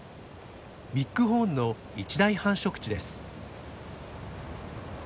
ビッグホーンの一大繁殖地です。